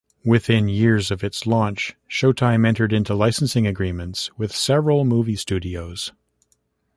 Within years of its launch, Showtime entered into licensing agreements with several movie studios.